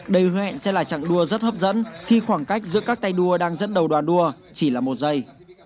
đây hẹn sẽ là trạng đua rất hấp dẫn khi khoảng cách giữa các tay đua đang dẫn đầu đoàn đua chỉ là một giây